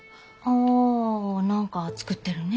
あ何か造ってるね。